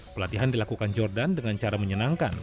pelatihan dilakukan jordan dengan cara menyenangkan